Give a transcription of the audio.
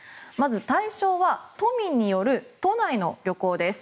対象は都民による都内の旅行です。